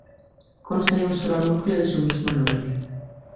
Consta de un solo núcleo de su mismo nombre.